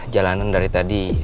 jalanan dari tadi